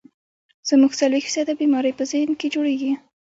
زمونږ څلوېښت فيصده بيمارۍ پۀ ذهن کښې جوړيږي